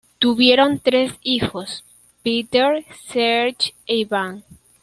Tuvieron tres hijos, Peter, Serge e Ivan.